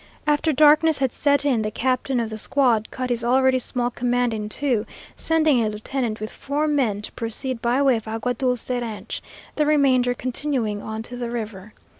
After darkness had set in, the captain of the squad cut his already small command in two, sending a lieutenant with four men to proceed by way of Agua Dulce ranch, the remainder continuing on to the river.